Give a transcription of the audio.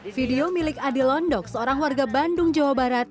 video milik adi londok seorang warga bandung jawa barat